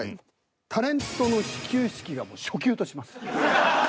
タレントの始球式がもう初球とします。